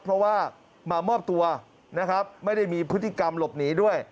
เพราะว่ามามอบตัวนะครับไม่ได้มีพฤติกรรมหลบหนีด้วย